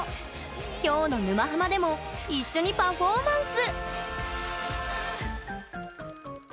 今日の「沼ハマ」でも一緒にパフォーマンス。